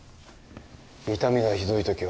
痛みがひどい時は